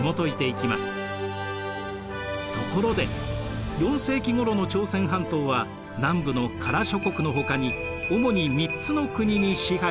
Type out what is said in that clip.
ところで４世紀ごろの朝鮮半島は南部の加羅諸国のほかに主に３つの国に支配されていました。